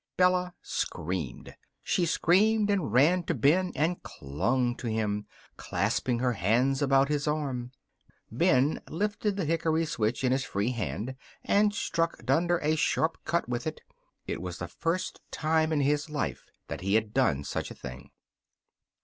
Bella screamed. She screamed and ran to Ben and clung to him, clasping her hands about his arm. Ben lifted the hickory switch in his free hand and struck Dunder a sharp cut with it. It was the first time in his life that he had done such a thing.